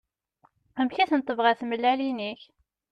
Amek i ten-tebɣiḍ tmellalin-ik?